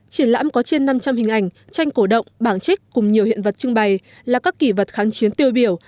triển lãm có trên năm trăm linh hình ảnh tranh cổ động bảng trích cùng nhiều hiện vật trưng bày là các kỳ vật kháng chiến tiêu biểu